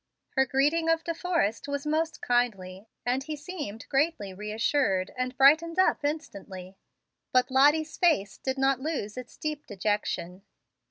Her greeting of De Forrest was most kindly, and he seemed greatly reassured, and brightened up instantly. But Lottie's face did not lose its deep dejection.